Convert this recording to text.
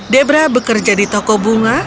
debra bekerja di toko bunga